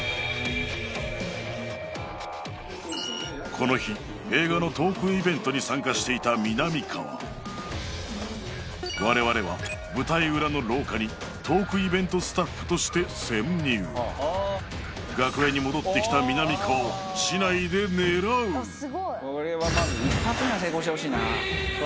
この日映画のトークイベントに参加していたみなみかわ我々は舞台裏の廊下にトークイベントスタッフとして潜入楽屋に戻ってきたみなみかわを竹刀で狙うおおっ！